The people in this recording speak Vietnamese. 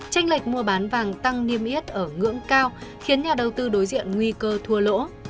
tranh lệch mua bán vàng tăng niêm yết ở ngưỡng cao khiến nhà đầu tư đối diện nguy cơ thua lỗ